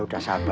untuk si ibu